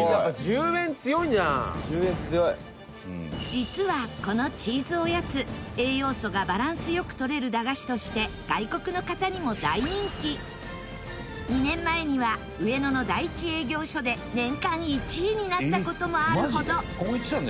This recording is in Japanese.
実は、このチーズおやつ栄養素がバランス良くとれる駄菓子として外国の方にも大人気２年前には上野の第一営業所で年間１位になった事もあるほど